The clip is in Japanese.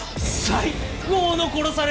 最高の殺され方！